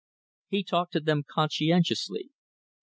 He talked to them conscientiously.